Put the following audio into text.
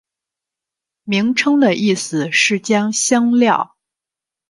名称的意思是将香料。